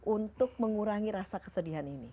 untuk mengurangi rasa kesedihan ini